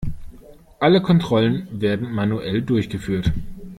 Alle Kontrollen werden manuell durchgeführt.